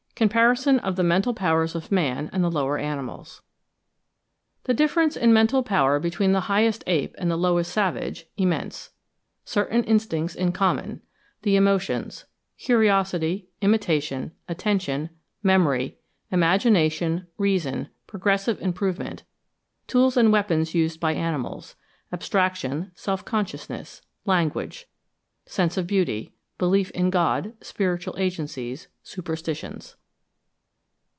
COMPARISON OF THE MENTAL POWERS OF MAN AND THE LOWER ANIMALS. The difference in mental power between the highest ape and the lowest savage, immense—Certain instincts in common—The emotions—Curiosity—Imitation—Attention—Memory— Imagination—Reason—Progressive improvement —Tools and weapons used by animals—Abstraction, Self consciousness—Language—Sense of beauty—Belief in God, spiritual agencies, superstitions.